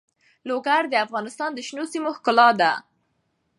لوگر د افغانستان د شنو سیمو ښکلا ده.